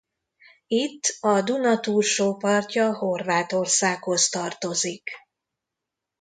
Itt a Duna túlsó partja Horvátországhoz tartozik.